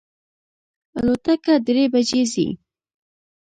الوتکه درې بجی ځي